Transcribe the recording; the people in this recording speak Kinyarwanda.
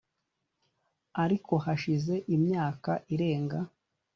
Ariko hashize imyaka irenga